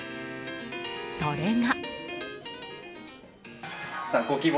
それが。